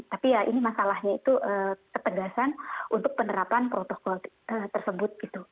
tapi ya ini masalahnya itu ketegasan untuk penerapan protokol tersebut gitu